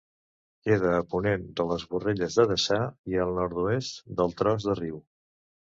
Queda a ponent de les Borrelles de Deçà i al nord-oest del Tros de Riu.